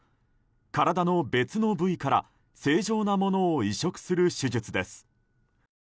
体の別の部位から正常なものを移植する手術です。